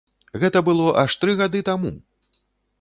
Гэта было аж тры гады таму!